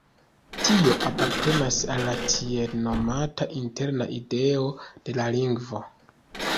Tio apartenas al la tiel nomata interna ideo de la lingvo.